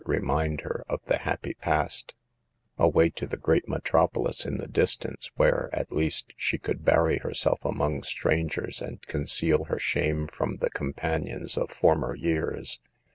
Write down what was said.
19 remind her of the happy past; away to the great Metropolis in the distance where, at least, she could bury herself among strangers and conceal her shame from the companions of former years.